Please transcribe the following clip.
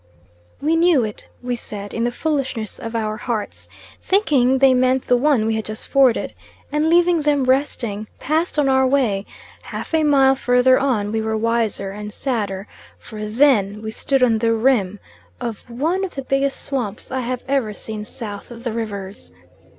We knew it, we said, in the foolishness of our hearts thinking they meant the one we had just forded, and leaving them resting, passed on our way; half a mile further on we were wiser and sadder, for then we stood on the rim of one of the biggest swamps I have ever seen south of the Rivers.